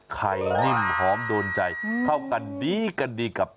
นิ่มหอมโดนใจเข้ากันดีกันดีกับ